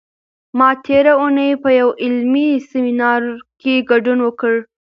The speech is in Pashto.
ما تېره اونۍ په یوه علمي سیمینار کې ګډون وکړ.